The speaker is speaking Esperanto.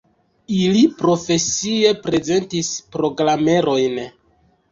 Ili profesie prezentis programerojn.